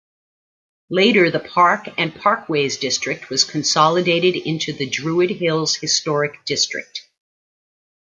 Later the Park and Parkways district was consolidated into the Druid Hills Historic District.